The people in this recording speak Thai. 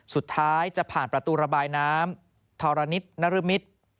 สุดท้ายจะผ่านประตูระบายน้ำธรณิตนรมิตร